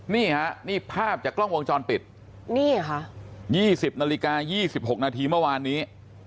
นี่ฮะนี่ภาพจากกล้องวงจรปิดนี่ค่ะ๒๐นาฬิกา๒๖นาทีเมื่อวานนี้